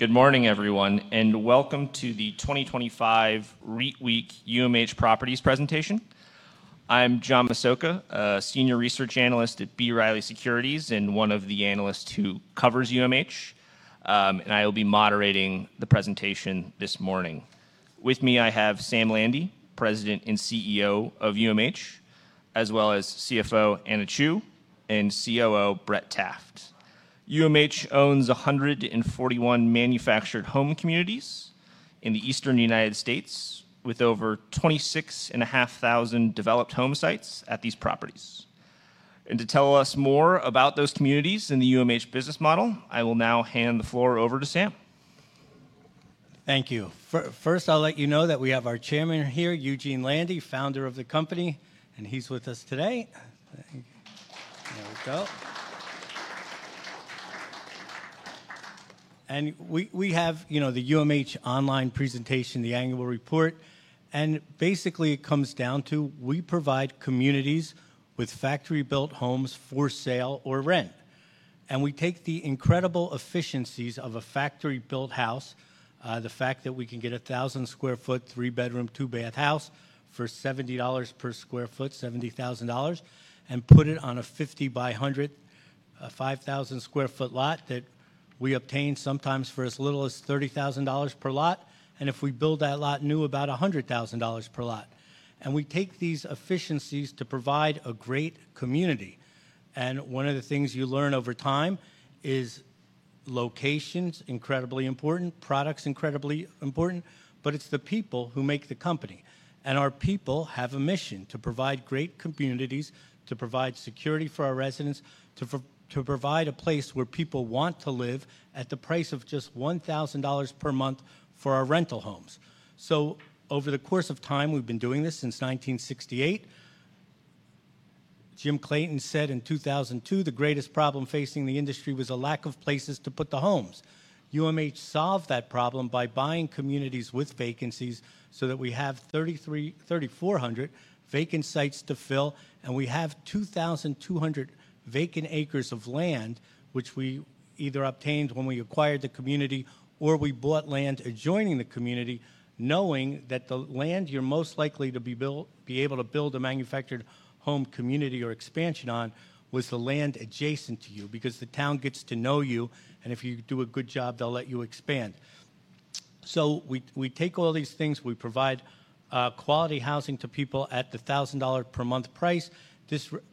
Good morning, everyone, and Welcome to the 2025 REIT Week UMH Properties Presentation. I'm John Massocca, a senior research analyst at B. Riley Securities and one of the analysts who covers UMH, and I will be moderating the presentation this morning. With me, I have Sam Landy, President and CEO of UMH, as well as CFO Anna Chew and COO Brett Taft. UMH owns 141 manufactured home communities in the Eastern United States, with over 26,500 developed home sites at these properties. To tell us more about those communities and the UMH business model, I will now hand the floor over to Sam. Thank you. First, I'll let you know that we have our Chairman here, Eugene Landy, founder of the company, and he's with us today. There we go. And we have, you know, the UMH online presentation, the annual report, and basically it comes down to we provide communities with factory-built homes for sale or rent. And we take the incredible efficiencies of a factory-built house, the fact that we can get a 1,000 sq ft, three-bedroom, two-bath house for $70 per sq ft, $70,000, and put it on a 50 by 100, 5,000 sq ft lot that we obtain sometimes for as little as $30,000 per lot. And if we build that lot new, about $100,000 per lot. And we take these efficiencies to provide a great community. And one of the things you learn over time is location's incredibly important, product's incredibly important, but it's the people who make the company. Our people have a mission to provide great communities, to provide security for our residents, to provide a place where people want to live at the price of just $1,000 per month for our rental homes. Over the course of time, we've been doing this since 1968. Jim Clayton said in 2002, the greatest problem facing the industry was a lack of places to put the homes. UMH solved that problem by buying communities with vacancies so that we have 3,400 vacant sites to fill, and we have 2,200 vacant acres of land, which we either obtained when we acquired the community or we bought land adjoining the community, knowing that the land you're most likely to be able to build a manufactured home community or expansion on was the land adjacent to you because the town gets to know you, and if you do a good job, they'll let you expand. We take all these things. We provide quality housing to people at the $1,000 per month price.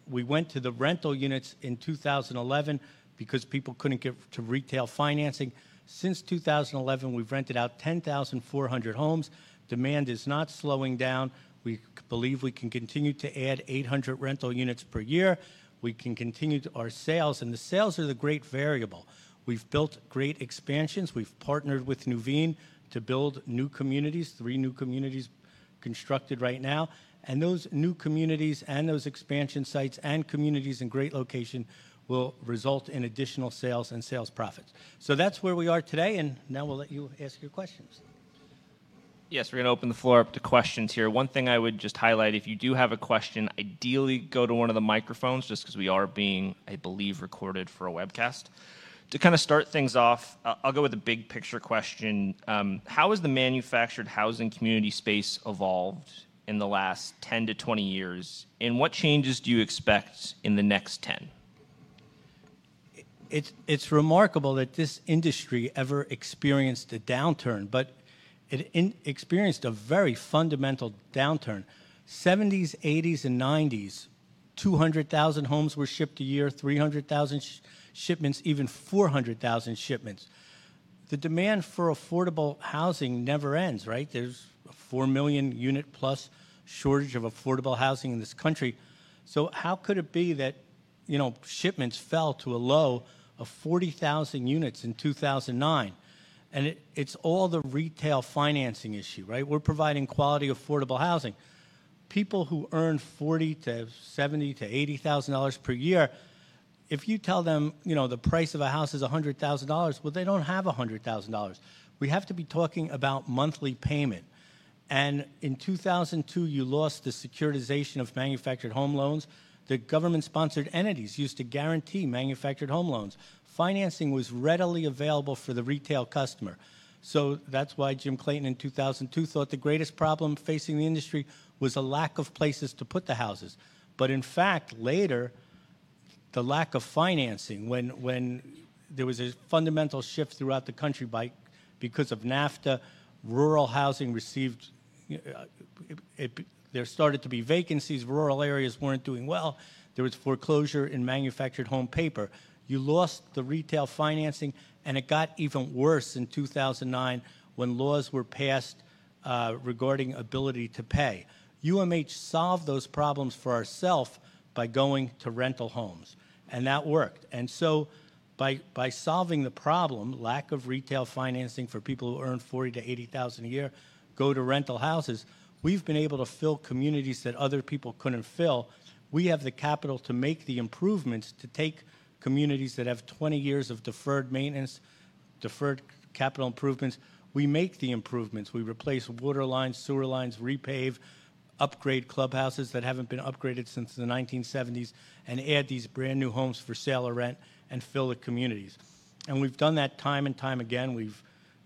We went to the rental units in 2011 because people couldn't get to retail financing. Since 2011, we've rented out 10,400 homes. Demand is not slowing down. We believe we can continue to add 800 rental units per year. We can continue our sales, and the sales are the great variable. We've built great expansions. We've partnered with Nuveen to build new communities, three new communities constructed right now. Those new communities and those expansion sites and communities in great location will result in additional sales and sales profits. That is where we are today, and now we'll let you ask your questions. Yes, we're going to open the floor up to questions here. One thing I would just highlight, if you do have a question, ideally go to one of the microphones just because we are being, I believe, recorded for a webcast. To kind of start things off, I'll go with a big picture question. How has the manufactured housing community space evolved in the last 10 to 20 years, and what changes do you expect in the next 10? It's remarkable that this industry ever experienced a downturn, but it experienced a very fundamental downturn. 1970s, 1980s, and 1990s, 200,000 homes were shipped a year, 300,000 shipments, even 400,000 shipments. The demand for affordable housing never ends, right? There's a 4 million unit plus shortage of affordable housing in this country. How could it be that, you know, shipments fell to a low of 40,000 units in 2009? It's all the retail financing issue, right? We're providing quality affordable housing. People who earn $40,000 to $70,000 to $80,000 per year, if you tell them, you know, the price of a house is $100,000, well, they don't have $100,000. We have to be talking about monthly payment. In 2002, you lost the securitization of manufactured home loans. The government-sponsored entities used to guarantee manufactured home loans. Financing was readily available for the retail customer. That's why Jim Clayton in 2002 thought the greatest problem facing the industry was a lack of places to put the houses. In fact, later, the lack of financing, when there was a fundamental shift throughout the country because of NAFTA, rural housing received—there started to be vacancies. Rural areas were not doing well. There was foreclosure in manufactured home paper. You lost the retail financing, and it got even worse in 2009 when laws were passed regarding ability to pay. UMH solved those problems for ourself by going to rental homes, and that worked. By solving the problem, lack of retail financing for people who earn $40,000 to $80,000 a year, go to rental houses, we have been able to fill communities that other people could not fill. We have the capital to make the improvements, to take communities that have 20 years of deferred maintenance, deferred capital improvements. We make the improvements. We replace water lines, sewer lines, repave, upgrade clubhouses that have not been upgraded since the 1970s, and add these brand new homes for sale or rent and fill the communities. We have done that time and time again. We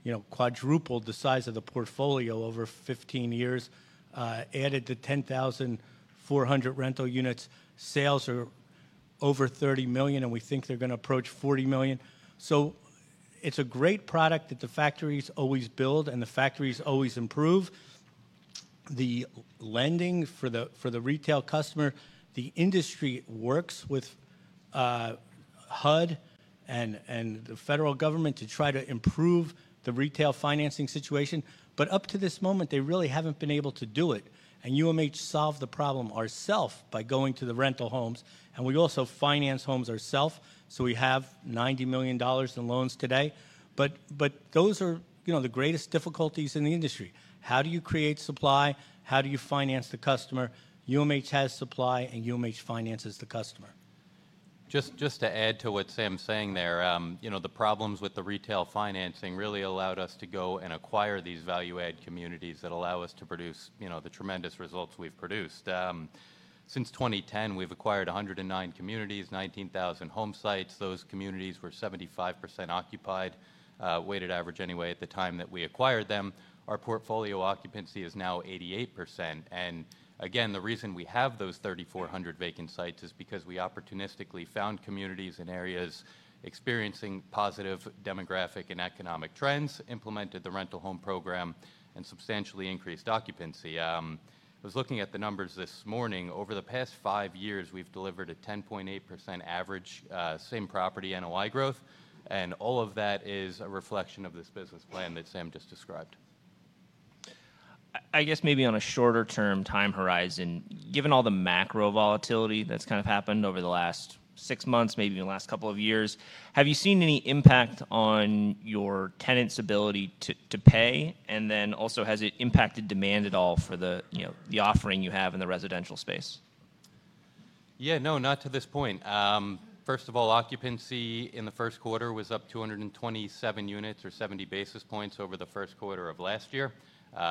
have, you know, quadrupled the size of the portfolio over 15 years, added the 10,400 rental units. Sales are over $30 million, and we think they are going to approach $40 million. It is a great product that the factories always build, and the factories always improve. The lending for the retail customer, the industry works with HUD and the federal government to try to improve the retail financing situation. Up to this moment, they really have not been able to do it. UMH solved the problem ourself by going to the rental homes. We also finance homes ourself, so we have $90 million in loans today. Those are, you know, the greatest difficulties in the industry. How do you create supply? How do you finance the customer? UMH has supply, and UMH finances the customer. Just to add to what Sam's saying there, you know, the problems with the retail financing really allowed us to go and acquire these value-add communities that allow us to produce, you know, the tremendous results we've produced. Since 2010, we've acquired 109 communities, 19,000 home sites. Those communities were 75% occupied, weighted average anyway, at the time that we acquired them. Our portfolio occupancy is now 88%. The reason we have those 3,400 vacant sites is because we opportunistically found communities in areas experiencing positive demographic and economic trends, implemented the rental home program, and substantially increased occupancy. I was looking at the numbers this morning. Over the past five years, we've delivered a 10.8% average same property NOI growth, and all of that is a reflection of this business plan that Sam just described. I guess maybe on a shorter-term time horizon, given all the macro volatility that's kind of happened over the last six months, maybe even the last couple of years, have you seen any impact on your tenants' ability to pay? Also, has it impacted demand at all for the, you know, the offering you have in the residential space? Yeah, no, not to this point. First of all, occupancy in the first quarter was up 227 units or 70 basis points over the first quarter of last year.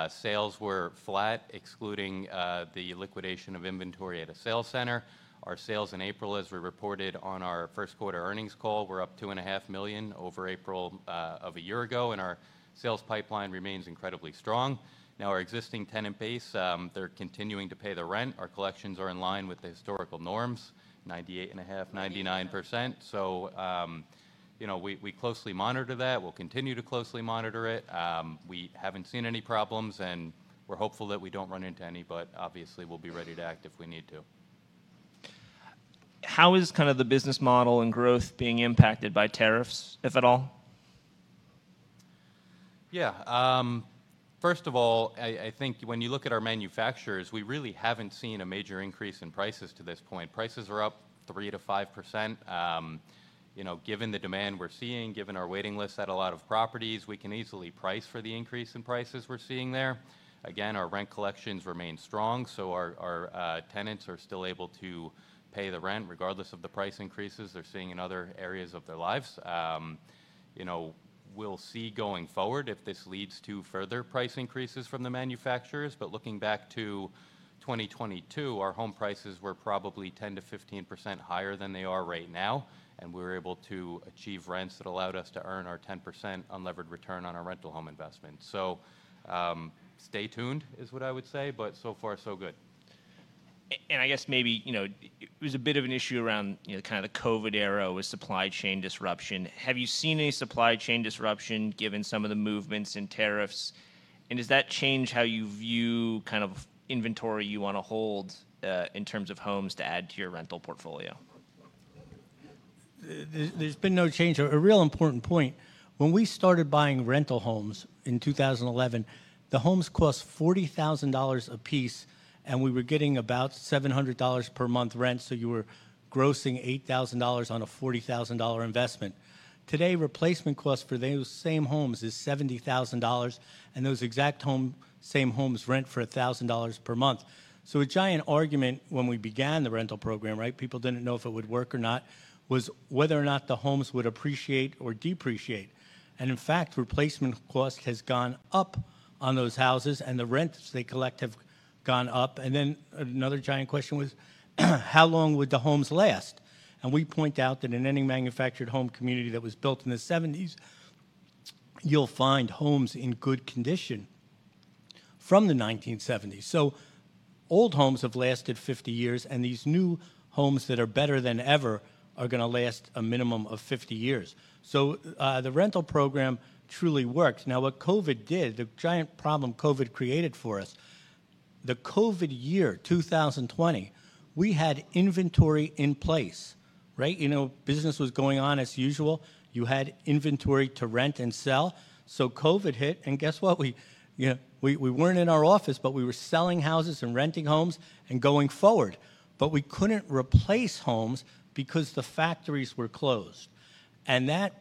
Sales were flat, excluding the liquidation of inventory at a sales center. Our sales in April, as we reported on our first quarter earnings call, were up $2.5 million over April of a year ago, and our sales pipeline remains incredibly strong. Now, our existing tenant base, they're continuing to pay the rent. Our collections are in line with the historical norms, 98.5%-99%. So, you know, we closely monitor that. We'll continue to closely monitor it. We haven't seen any problems, and we're hopeful that we don't run into any, but obviously, we'll be ready to act if we need to. How is kind of the business model and growth being impacted by tariffs, if at all? Yeah. First of all, I think when you look at our manufacturers, we really have not seen a major increase in prices to this point. Prices are up 3%-5%. You know, given the demand we are seeing, given our waiting lists at a lot of properties, we can easily price for the increase in prices we are seeing there. Again, our rent collections remain strong, so our tenants are still able to pay the rent regardless of the price increases they are seeing in other areas of their lives. You know, we will see going forward if this leads to further price increases from the manufacturers. Looking back to 2022, our home prices were probably 10%-15% higher than they are right now, and we were able to achieve rents that allowed us to earn our 10% unlevered return on our rental home investment. Stay tuned is what I would say, but so far, so good. I guess maybe, you know, it was a bit of an issue around, you know, kind of the COVID era with supply chain disruption. Have you seen any supply chain disruption given some of the movements in tariffs? Does that change how you view kind of inventory you want to hold in terms of homes to add to your rental portfolio? There's been no change. A real important point. When we started buying rental homes in 2011, the homes cost $40,000 apiece, and we were getting about $700 per month rent, so you were grossing $8,000 on a $40,000 investment. Today, replacement costs for those same homes is $70,000, and those exact same homes rent for $1,000 per month. A giant argument when we began the rental program, right, people didn't know if it would work or not, was whether or not the homes would appreciate or depreciate. In fact, replacement cost has gone up on those houses, and the rents they collect have gone up. Another giant question was, how long would the homes last? We point out that in any manufactured home community that was built in the 1970s, you'll find homes in good condition from the 1970s. Old homes have lasted 50 years, and these new homes that are better than ever are going to last a minimum of 50 years. The rental program truly worked. Now, what COVID did, the giant problem COVID created for us, the COVID year, 2020, we had inventory in place, right? You know, business was going on as usual. You had inventory to rent and sell. COVID hit, and guess what? We were not in our office, but we were selling houses and renting homes and going forward. We could not replace homes because the factories were closed. That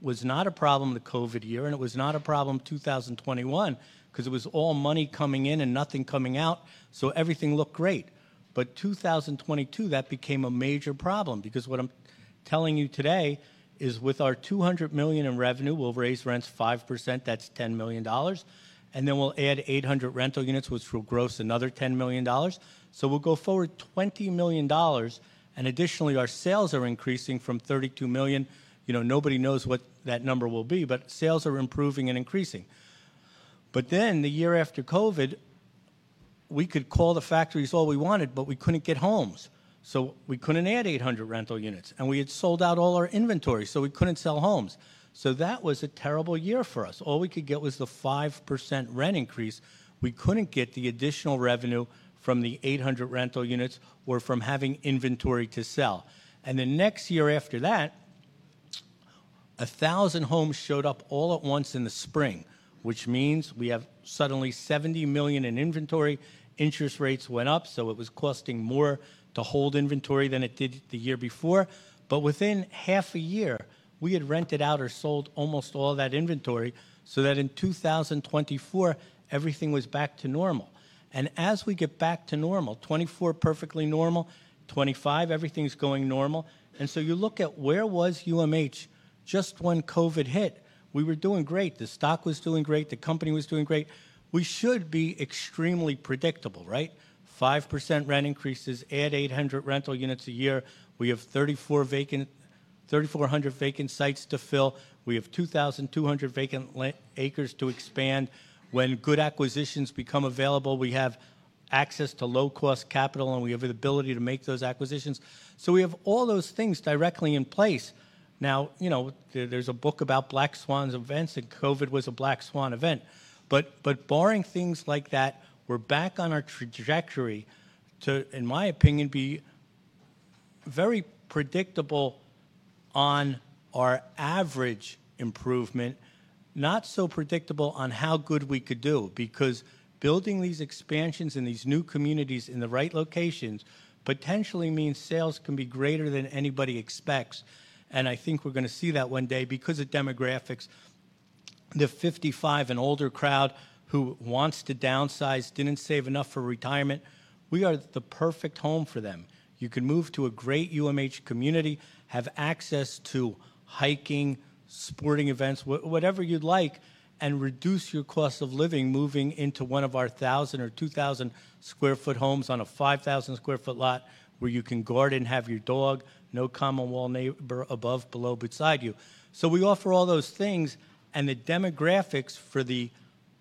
was not a problem the COVID year, and it was not a problem 2021 because it was all money coming in and nothing coming out, so everything looked great. In 2022, that became a major problem because what I'm telling you today is with our $200 million in revenue, we'll raise rents 5%, that's $10 million, and then we'll add 800 rental units, which will gross another $10 million. We will go forward $20 million, and additionally, our sales are increasing from $32 million. You know, nobody knows what that number will be, but sales are improving and increasing. The year after COVID, we could call the factories all we wanted, but we could not get homes. We could not add 800 rental units, and we had sold out all our inventory, so we could not sell homes. That was a terrible year for us. All we could get was the 5% rent increase. We could not get the additional revenue from the 800 rental units or from having inventory to sell. The next year after that, 1,000 homes showed up all at once in the spring, which means we have suddenly $70 million in inventory. Interest rates went up, so it was costing more to hold inventory than it did the year before. Within half a year, we had rented out or sold almost all that inventory so that in 2024, everything was back to normal. As we get back to normal, 2024 perfectly normal, 2025 everything's going normal. You look at where was UMH just when COVID hit? We were doing great. The stock was doing great. The company was doing great. We should be extremely predictable, right? 5% rent increases, add 800 rental units a year. We have 3,400 vacant sites to fill. We have 2,200 vacant acres to expand. When good acquisitions become available, we have access to low-cost capital, and we have the ability to make those acquisitions. We have all those things directly in place. Now, you know, there's a book about black swan events, and COVID was a black swan event. Barring things like that, we're back on our trajectory to, in my opinion, be very predictable on our average improvement, not so predictable on how good we could do because building these expansions in these new communities in the right locations potentially means sales can be greater than anybody expects. I think we're going to see that one day because of demographics. The 55 and older crowd who wants to downsize didn't save enough for retirement. We are the perfect home for them. You can move to a great UMH community, have access to hiking, sporting events, whatever you'd like, and reduce your cost of living moving into one of our 1,000 or 2,000 sq ft homes on a 5,000 sq ft lot where you can garden, have your dog, no common wall neighbor above, below, beside you. We offer all those things, and the demographics for the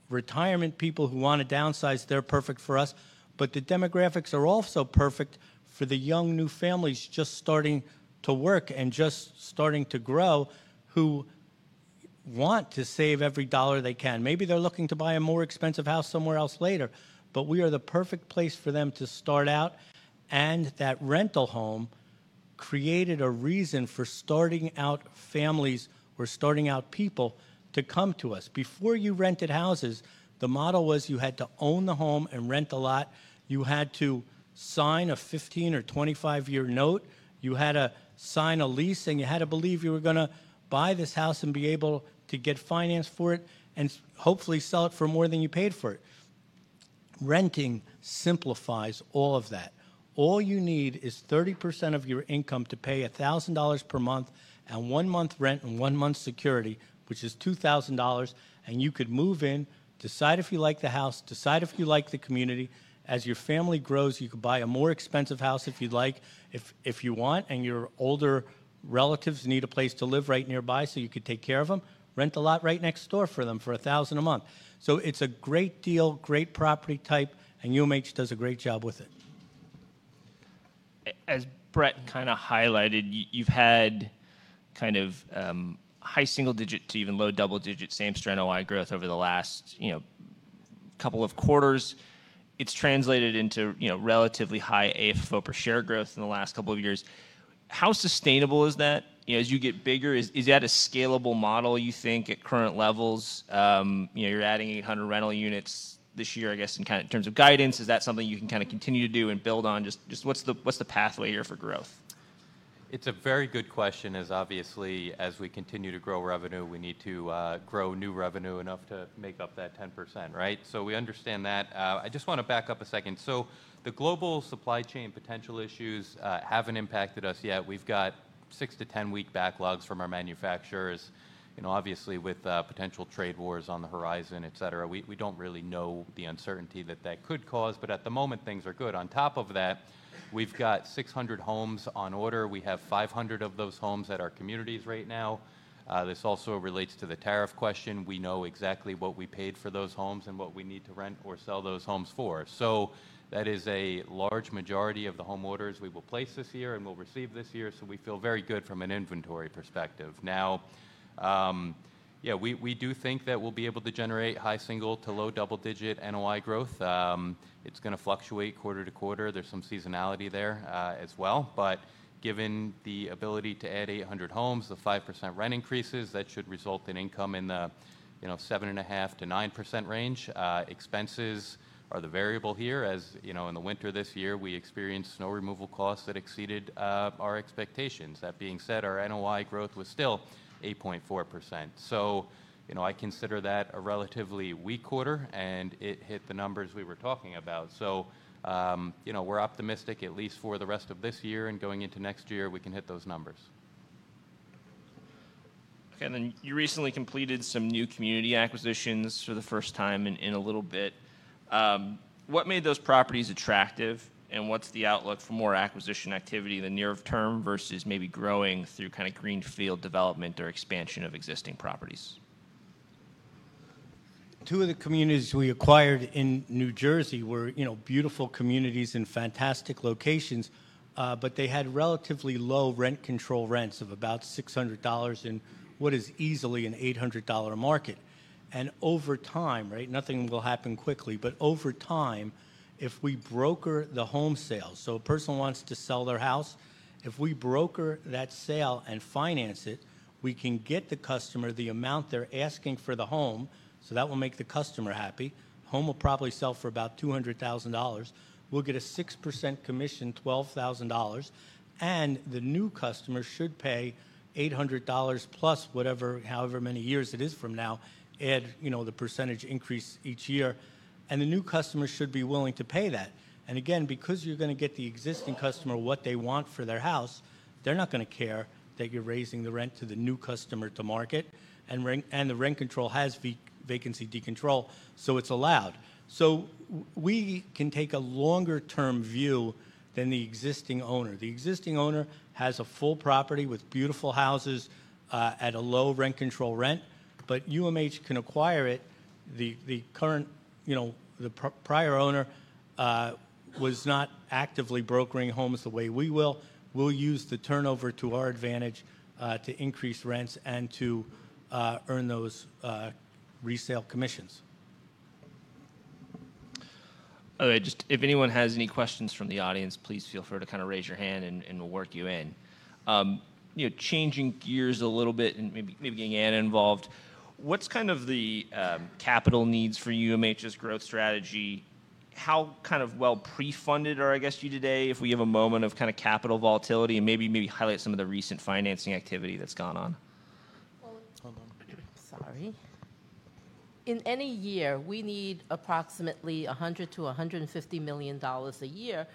retirement people who want to downsize, they're perfect for us. The demographics are also perfect for the young new families just starting to work and just starting to grow who want to save every dollar they can. Maybe they're looking to buy a more expensive house somewhere else later, but we are the perfect place for them to start out. That rental home created a reason for starting out families or starting out people to come to us. Before you rented houses, the model was you had to own the home and rent a lot. You had to sign a 15- or 25-year note. You had to sign a lease, and you had to believe you were going to buy this house and be able to get financed for it and hopefully sell it for more than you paid for it. Renting simplifies all of that. All you need is 30% of your income to pay $1,000 per month and one month rent and one month security, which is $2,000. You could move in, decide if you like the house, decide if you like the community. As your family grows, you could buy a more expensive house if you'd like, if you want, and your older relatives need a place to live right nearby so you could take care of them, rent a lot right next door for them for $1,000 a month. It is a great deal, great property type, and UMH does a great job with it. As Brett kind of highlighted, you've had kind of high single-digit to even low double-digit same-store NOI growth over the last, you know, couple of quarters. It's translated into, you know, relatively high AFFO per share growth in the last couple of years. How sustainable is that? You know, as you get bigger, is that a scalable model, you think, at current levels? You know, you're adding 800 rental units this year, I guess, in kind of terms of guidance. Is that something you can kind of continue to do and build on? Just what's the pathway here for growth? It's a very good question. As obviously, as we continue to grow revenue, we need to grow new revenue enough to make up that 10%, right? So we understand that. I just want to back up a second. The global supply chain potential issues haven't impacted us yet. We've got 6-10 week backlogs from our manufacturers. You know, obviously, with potential trade wars on the horizon, et cetera, we don't really know the uncertainty that that could cause. At the moment, things are good. On top of that, we've got 600 homes on order. We have 500 of those homes at our communities right now. This also relates to the tariff question. We know exactly what we paid for those homes and what we need to rent or sell those homes for. That is a large majority of the home orders we will place this year and will receive this year. We feel very good from an inventory perspective. Now, yeah, we do think that we'll be able to generate high single to low double-digit NOI growth. It's going to fluctuate quarter to quarter. There's some seasonality there as well. Given the ability to add 800 homes, the 5% rent increases, that should result in income in the 7.5%-9% range. Expenses are the variable here. As you know, in the winter this year, we experienced snow removal costs that exceeded our expectations. That being said, our NOI growth was still 8.4%. You know, I consider that a relatively weak quarter, and it hit the numbers we were talking about. You know, we're optimistic at least for the rest of this year and going into next year we can hit those numbers. Okay. You recently completed some new community acquisitions for the first time in a little bit. What made those properties attractive, and what's the outlook for more acquisition activity in the near term versus maybe growing through kind of greenfield development or expansion of existing properties? Two of the communities we acquired in New Jersey were, you know, beautiful communities in fantastic locations, but they had relatively low rent control rents of about $600 in what is easily an $800 market. Over time, right, nothing will happen quickly, but over time, if we broker the home sale, so a person wants to sell their house, if we broker that sale and finance it, we can get the customer the amount they're asking for the home, so that will make the customer happy. The home will probably sell for about $200,000. We'll get a 6% commission, $12,000, and the new customer should pay $800 plus whatever, however many years it is from now, add, you know, the percentage increase each year. The new customer should be willing to pay that. Because you're going to get the existing customer what they want for their house, they're not going to care that you're raising the rent to the new customer to market. The rent control has vacancy decontrol, so it's allowed. We can take a longer-term view than the existing owner. The existing owner has a full property with beautiful houses at a low rent control rent, but UMH can acquire it. The current, you know, the prior owner was not actively brokering homes the way we will. We'll use the turnover to our advantage to increase rents and to earn those resale commissions. Okay. Just if anyone has any questions from the audience, please feel free to kind of raise your hand, and we'll work you in. You know, changing gears a little bit and maybe getting Anna involved, what's kind of the capital needs for UMH's growth strategy? How kind of well pre-funded are, I guess, you today if we have a moment of kind of capital volatility and maybe highlight some of the recent financing activity that's gone on? Sorry. In any year, we need approximately $100 million to $150 million a year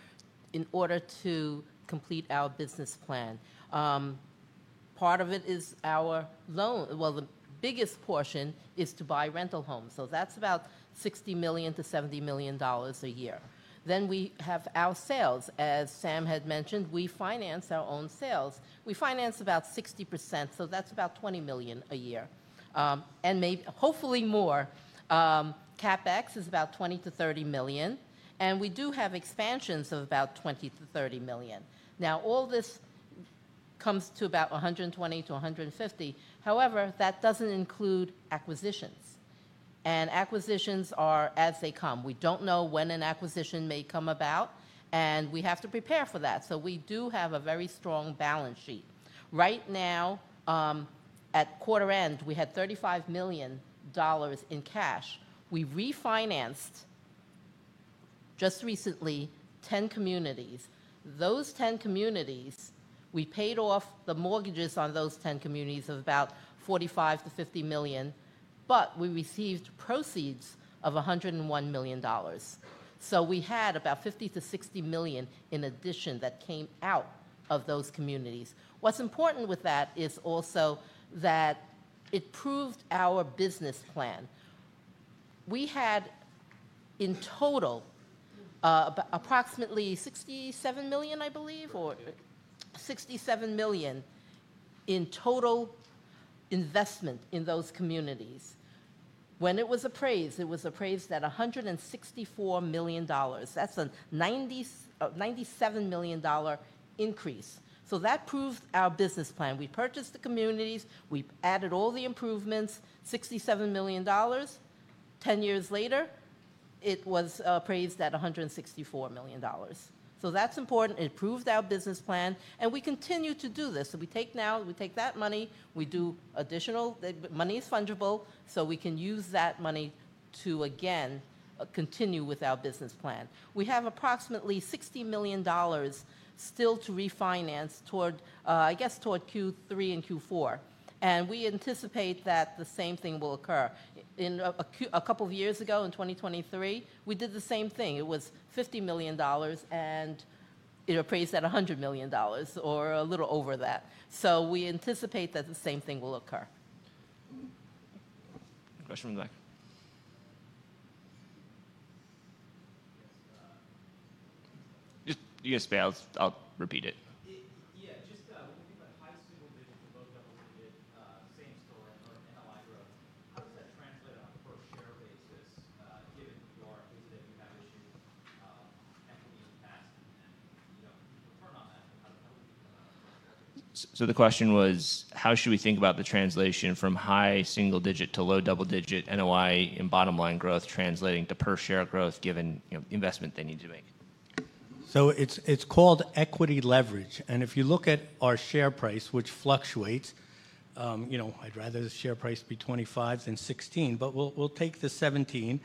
in order to complete our business plan. Part of it is our loan. The biggest portion is to buy rental homes. That is about $60 million to $70 million a year. We have our sales. As Sam had mentioned, we finance our own sales. We finance about 60%, so that is about $20 million a year, and maybe, hopefully more. CapEx is about $20 million to $30 million, and we do have expansions of about $20 million to $30 million. All this comes to about $120 million to $150 million. However, that does not include acquisitions. Acquisitions are as they come. We do not know when an acquisition may come about, and we have to prepare for that. We do have a very strong balance sheet. Right now, at quarter end, we had $35 million in cash. We refinanced just recently 10 communities. Those 10 communities, we paid off the mortgages on those 10 communities of about $45-$50 million, but we received proceeds of $101 million. We had about $50-$60 million in addition that came out of those communities. What's important with that is also that it proved our business plan. We had in total approximately $67 million, I believe, or $67 million in total investment in those communities. When it was appraised, it was appraised at $164 million. That's a $97 million increase. That proved our business plan. We purchased the communities. We added all the improvements. $67 million. Ten years later, it was appraised at $164 million. That's important. It proved our business plan, and we continue to do this. We take now, we take that money. We do additional. The money is fungible, so we can use that money to, again, continue with our business plan. We have approximately $60 million still to refinance toward, I guess, toward Q3 and Q4. We anticipate that the same thing will occur. A couple of years ago, in 2023, we did the same thing. It was $50 million, and it appraised at $100 million or a little over that. We anticipate that the same thing will occur. Question from the back. Yes, Sparrows. I'll repeat it. Yeah. Just when you think about high single-digit to low double-digit, same-store NOI growth, how does that translate on a per-share basis given the or that you have issued equity in the past and then, you know, return on that? How do you think about that? The question was, how should we think about the translation from high single-digit to low double-digit NOI and bottom-line growth translating to per-share growth given investment they need to make? It's called equity leverage. If you look at our share price, which fluctuates, you know, I'd rather the share price be $25 than $16, but we'll take the $17.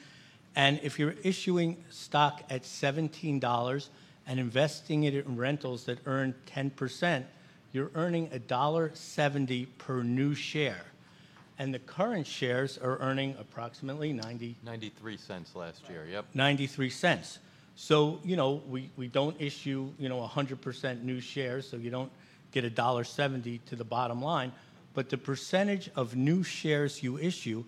If you're issuing stock at $17 and investing it in rentals that earn 10%, you're earning $1.70 per new share. The current shares are earning approximately $0.93 last year. Yep. $0.93. You know, we don't issue 100% new shares, so you don't get $1.70 to the bottom line. The percentage of new shares you issue,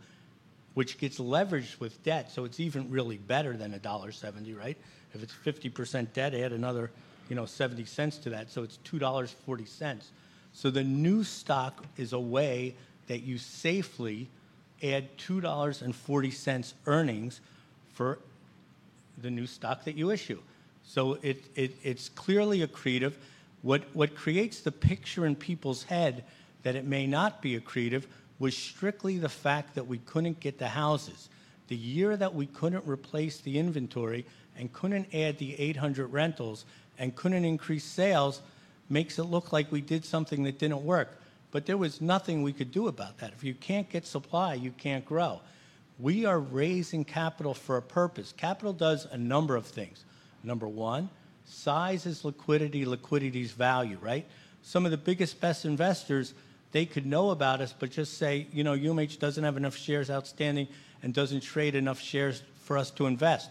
which gets leveraged with debt, so it's even really better than $1.70, right? If it's 50% debt, add another, you know, $0.70 to that. It's $2.40. The new stock is a way that you safely add $2.40 earnings for the new stock that you issue. It's clearly accretive. What creates the picture in people's head that it may not be accretive was strictly the fact that we couldn't get the houses. The year that we couldn't replace the inventory and couldn't add the 800 rentals and couldn't increase sales makes it look like we did something that didn't work. There was nothing we could do about that. If you can't get supply, you can't grow. We are raising capital for a purpose. Capital does a number of things. Number one, size is liquidity, liquidity is value, right? Some of the biggest, best investors, they could know about us, but just say, you know, UMH doesn't have enough shares outstanding and doesn't trade enough shares for us to invest.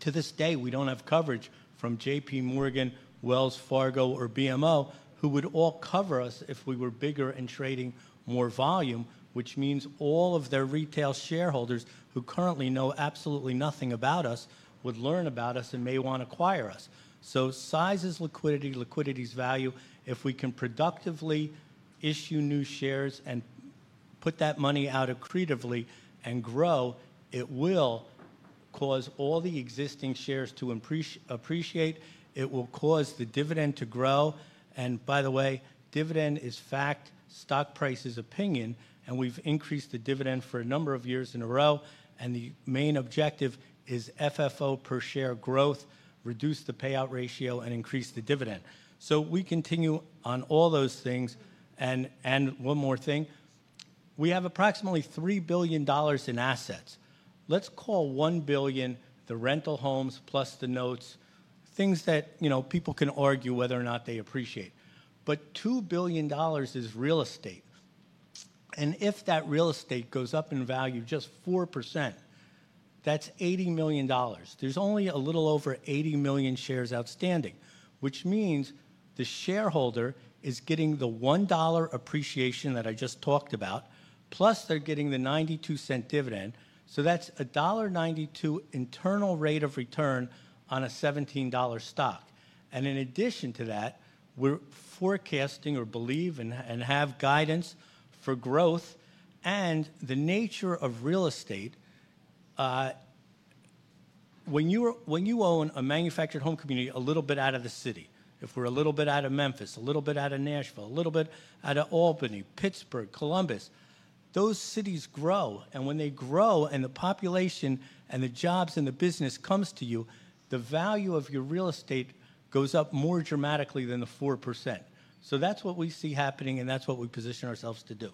To this day, we do not have coverage from JP Morgan, Wells Fargo, or BMO, who would all cover us if we were bigger and trading more volume, which means all of their retail shareholders who currently know absolutely nothing about us would learn about us and may want to acquire us. Size is liquidity, liquidity is value. If we can productively issue new shares and put that money out accretively and grow, it will cause all the existing shares to appreciate. It will cause the dividend to grow. By the way, dividend is fact, stock price is opinion, and we have increased the dividend for a number of years in a row. The main objective is FFO per share growth, reduce the payout ratio, and increase the dividend. We continue on all those things. One more thing. We have approximately $3 billion in assets. Let's call $1 billion the rental homes plus the notes, things that, you know, people can argue whether or not they appreciate. But $2 billion is real estate. And if that real estate goes up in value just 4%, that's $80 million. There's only a little over 80 million shares outstanding, which means the shareholder is getting the $1 appreciation that I just talked about, plus they're getting the $0.92 dividend. So that's $1.92 internal rate of return on a $17 stock. And in addition to that, we're forecasting or believe and have guidance for growth and the nature of real estate. When you own a manufactured home community a little bit out of the city, if we're a little bit out of Memphis, a little bit out of Nashville, a little bit out of Albany, Pittsburgh, Columbus, those cities grow. When they grow and the population and the jobs and the business comes to you, the value of your real estate goes up more dramatically than the 4%. That is what we see happening, and that is what we position ourselves to do.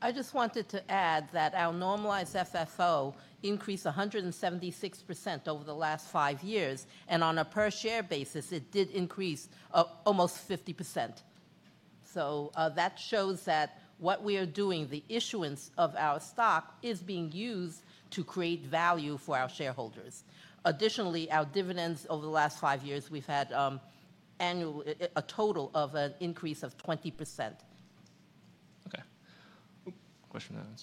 I just wanted to add that our normalized FFO increased 176% over the last five years. On a per-share basis, it did increase almost 50%. That shows that what we are doing, the issuance of our stock, is being used to create value for our shareholders. Additionally, our dividends over the last five years, we've had a total annual increase of 20%. Okay. Question on that.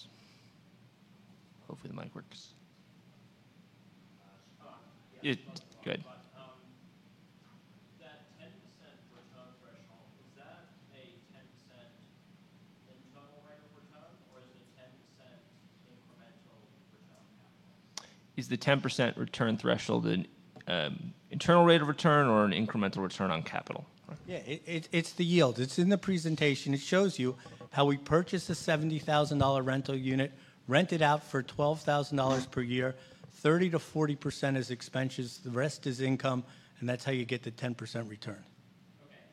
Hopefully the mic works. Good. That 10% return threshold, is that a 10% internal rate of return or is it a 10% incremental return on capital? Is the 10% return threshold an internal rate of return or an incremental return on capital? Yeah. It's the yield. It's in the presentation. It shows you how we purchase a $70,000 rental unit, rent it out for $12,000 per year. 30% - 40% is expenses. The rest is income, and that's how you get the 10% return. Okay.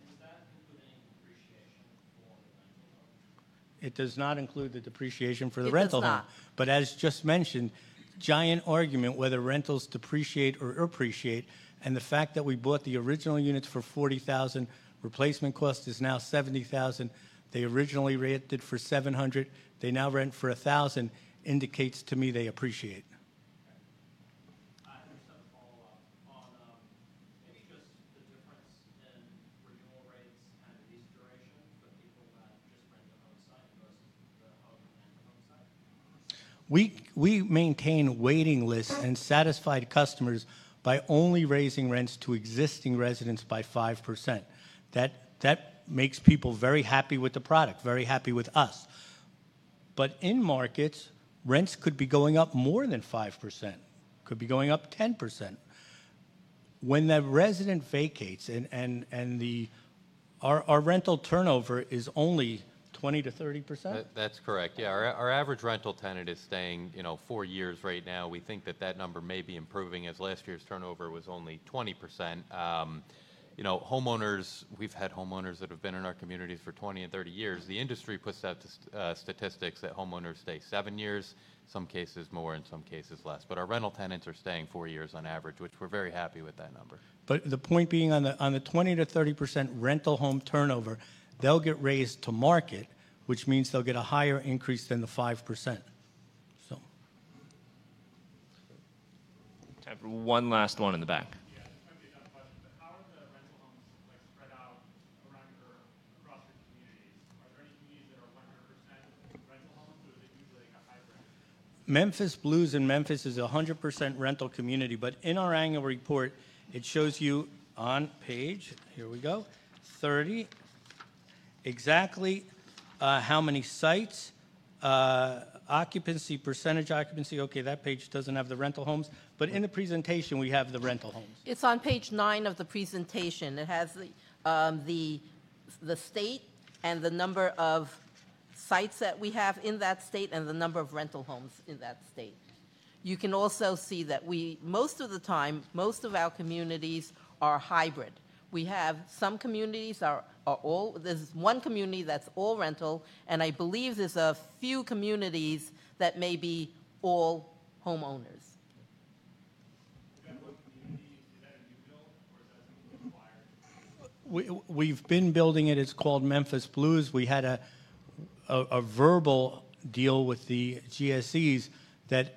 Does that include any depreciation for the rental home? It does not include the depreciation for the rental home. As just mentioned, giant argument whether rentals depreciate or appreciate. The fact that we bought the original units for $40,000, replacement cost is now $70,000. They originally rented for $700. They now rent for $1,000, indicates to me they appreciate. I have just a follow-up on maybe just the difference in renewal rates and lease duration for people that just rent the home site versus the home and the home site. We maintain waiting lists and satisfied customers by only raising rents to existing residents by 5%. That makes people very happy with the product, very happy with us. In markets, rents could be going up more than 5%, could be going up 10%. When the resident vacates and our rental turnover is only 20%-30%. That's correct. Yeah. Our average rental tenant is staying, you know, four years right now. We think that that number may be improving as last year's turnover was only 20%. You know, homeowners, we've had homeowners that have been in our communities for 20 and 30 years. The industry puts out statistics that homeowners stay seven years, some cases more, and some cases less. But our rental tenants are staying four years on average, which we're very happy with that number. The point being on the 20%-30% rental home turnover, they'll get raised to market, which means they'll get a higher increase than the 5%. So. One last one in the back. Yeah. I'm trying to be done question, but how are the rental homes spread out around your across your communities? Are there any communities that are 100% rental homes, or is it usually like a hybrid? Memphis Blues and Memphis is a 100% rental community. In our annual report, it shows you on page, here we go, 30, exactly how many sites, occupancy %, occupancy. Okay. That page does not have the rental homes. In the presentation, we have the rental homes. It's on page nine of the presentation. It has the state and the number of sites that we have in that state and the number of rental homes in that state. You can also see that we, most of the time, most of our communities are hybrid. We have some communities are all, there's one community that's all rental, and I believe there's a few communities that may be all homeowners. Is that a new build, or is that something required? We've been building it. It's called Memphis Blues. We had a verbal deal with the GSEs that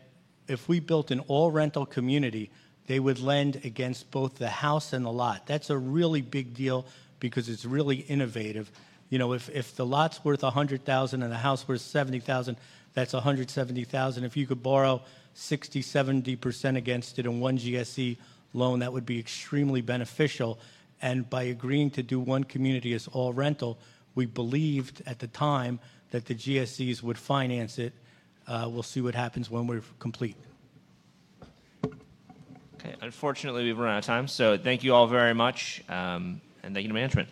if we built an all-rental community, they would lend against both the house and the lot. That's a really big deal because it's really innovative. You know, if the lot's worth $100,000 and the house worth $70,000, that's $170,000. If you could borrow 60%-70% against it in one GSE loan, that would be extremely beneficial. By agreeing to do one community as all rental, we believed at the time that the GSEs would finance it. We'll see what happens when we're complete. Okay. Unfortunately, we've run out of time. So thank you all very much, and thank you to management.